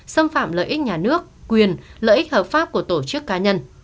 xâm phạm lợi ích nhà nước quyền lợi ích hợp pháp của tổ chức cá nhân